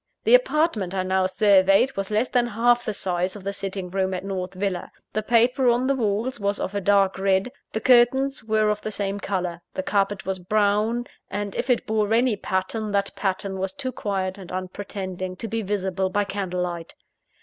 The apartment I now surveyed was less than half the size of the sitting room at North Villa. The paper on the walls was of a dark red; the curtains were of the same colour; the carpet was brown, and if it bore any pattern, that pattern was too quiet and unpretending to be visible by candlelight.